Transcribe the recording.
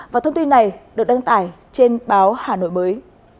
và thông tin này được đăng tải trên báo hà nội mới